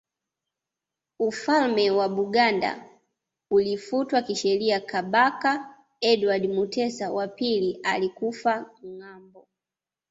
Ufalme wa Buganda ulifutwa kisheria Kabaka Edward Mutesa wa pili alikufa ngambo